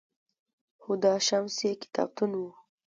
هُدا شمس یې کتابتون و